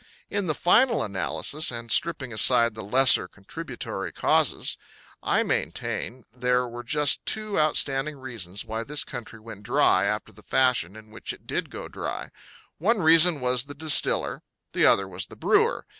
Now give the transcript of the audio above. In the final analysis, and stripping aside the lesser contributory causes, I maintain there were just two outstanding reasons why this country went dry after the fashion in which it did go dry: One reason was the Distiller; the other was the Brewer.